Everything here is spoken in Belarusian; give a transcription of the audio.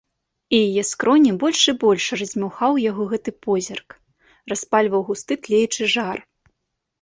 І яе скроні больш і больш раздзьмухаў яго гэты позірк, распальваў густы тлеючы жар.